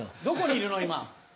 どこにいるの？